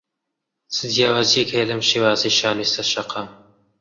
چ جیاوازییەک هەیە لەم شێوازەی شانۆی سەر شەقام؟